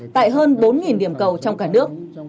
tại hơn bốn điểm cầu trong cả nước